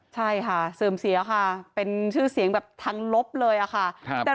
ใช่ค่ะเสื่อมเสียค่ะเป็นชื่อเสียงแบบทางลบเลยอะค่ะ